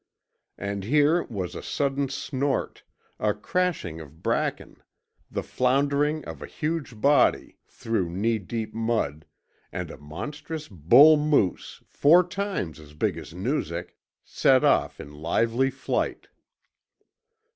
And here was a sudden snort, a crashing of bracken, the floundering of a huge body through knee deep mud, and a monstrous bull moose, four times as big as Noozak, set off in lively flight.